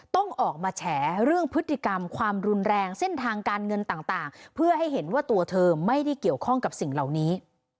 ต้องออกมาแฉเรื่องพฤติกรรมความรุนแรงเส้นทางการเงินต่างเพื่อให้เห็นว่าตัวเธอไม่ได้เกี่ยวข้องกับสิ่งเหล่านี้